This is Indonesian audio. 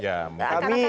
tidak akan dirilis